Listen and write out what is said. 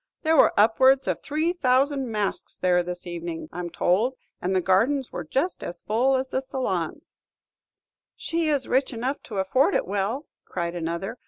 "There were upwards of three thousand masks there this evening, I 'm told, and the gardens were just as full as the salons." "She is rich enough to afford it well," cried another.